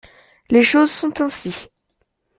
Les choses sont ainsi.